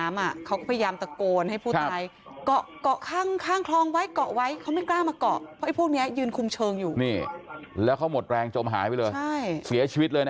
มันวิ่งไล่